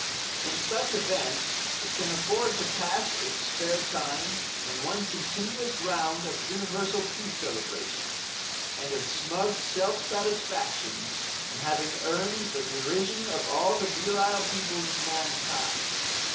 In such event it can afford to pass its spare time in one continuous round of universal peace celebrations, and of smug self satisfaction in having earned the derision of all the virile peoples of mankind.